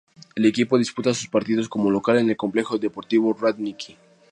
El equipo disputa sus partidos como local en el complejo deportivo Radnički.